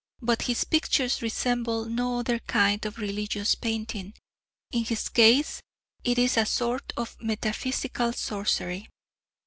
But his pictures resemble no other kind of religious painting; in his case it is a sort of metaphysical sorcery.